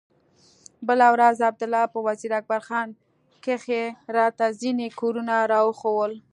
بله ورځ عبدالله په وزير اکبر خان کښې راته ځينې کورونه راوښوول.